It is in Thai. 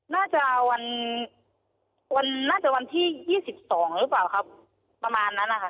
น่าจะวันที่๒๒หรือเปล่าครับประมาณนั้นค่ะ